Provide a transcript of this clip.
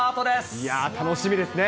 いやー、楽しみですね。